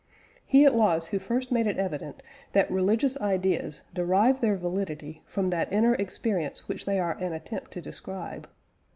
He it was who first made it evident that religious ideas derive their validity from that inner experience which they are an attempt to describe.